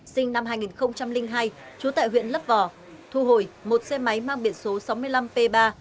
sinh năm hai nghìn hai chú tại huyện lấp vò thu hồi một xe máy mang biển số sáu mươi năm p ba tám nghìn hai trăm chín mươi ba